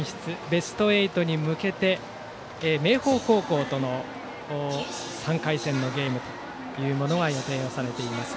ベスト８に向けて明豊高校との３回戦のゲームが予定をされています。